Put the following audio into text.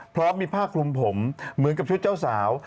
พร้อมมีผ้าคลุมผมเหมือนกับชุดเจ้าสาว